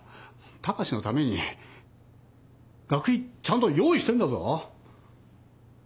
高志のために学費ちゃんと用意してんだぞ。